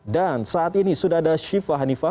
dan saat ini sudah ada shiva hanifah